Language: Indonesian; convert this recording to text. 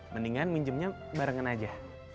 mendingan minjemnya barengan aja